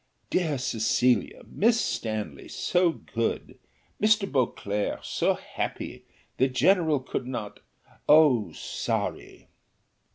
"Dear Cecilia! Miss Stanley, so good! Mr. Beauclerc, so happy! the general could not? so sorry!"